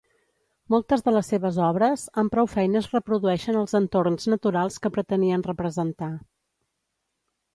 Moltes de les seves obres amb prou feines reprodueixen els entorns naturals que pretenien representar.